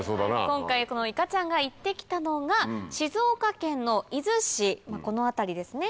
今回このいかちゃんが行って来たのが静岡県の伊豆市この辺りですね。